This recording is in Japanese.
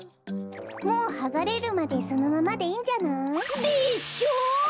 もうはがれるまでそのままでいいんじゃない？でしょ？